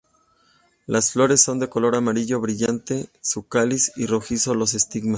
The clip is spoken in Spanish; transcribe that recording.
Las flores son de color amarillo brillante su cáliz y rojizo los estigmas.